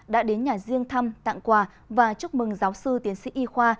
đã đến nhà riêng thăm tặng quà và chúc mừng giáo sư tiến sĩ y khoa